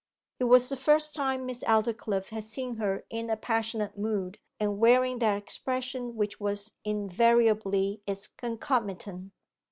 It was the first time Miss Aldclyffe had seen her in a passionate mood, and wearing that expression which was invariably its concomitant.